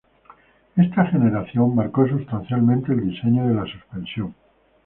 Esta generación marcó sustancialmente el diseño de la suspensión.